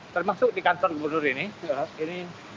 termasuk di kantor gubernur ini